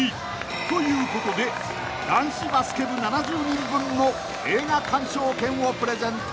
［ということで男子バスケ部７０人分の映画鑑賞券をプレゼント］